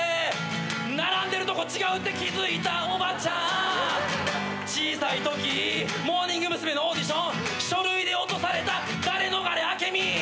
「並んでるとこ違うって気付いたおばちゃん」「小さいときモーニング娘。のオーディション」「書類で落とされたダレノガレ明美」